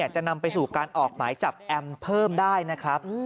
จะนำไปสู่การออกหมายจับแอมเพิ่มได้นะครับ